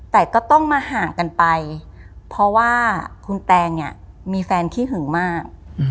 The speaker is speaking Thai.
แต่ก็ต้องมาห่างกันไปเพราะว่าคุณแตงเนี่ยมีแฟนขี้หึงมาก